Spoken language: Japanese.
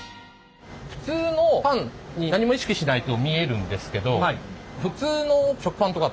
普通のパンに何も意識しないと見えるんですけど